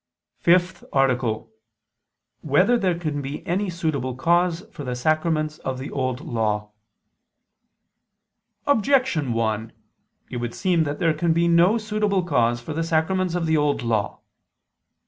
________________________ FIFTH ARTICLE [I II, Q. 102, Art. 5] Whether There Can Be Any Suitable Cause for the Sacraments of the Old Law? Objection 1: It would seem that there can be no suitable cause for the sacraments of the Old Law.